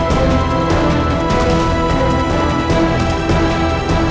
perjuangan tak bud nasa soho hooboo plantation pintanya